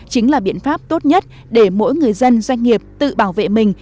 chính là biện pháp tốt nhất để mỗi người dân doanh nghiệp tự bảo vệ mình